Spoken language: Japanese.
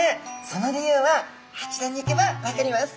その理由はあちらに行けば分かります。